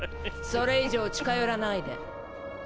それ以上近寄らないで。